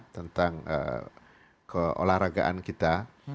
tentang keolahragaan kita